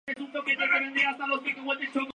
No se ha detenido a nadie por esta agresión.